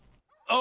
あ！